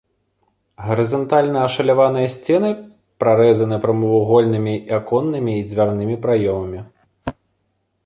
Гарызантальна ашаляваныя сцены прарэзаны прамавугольнымі аконнымі і дзвярнымі праёмамі.